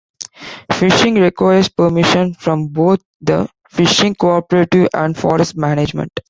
Fishing requires permission from both the Fishing Cooperative and Forest Management.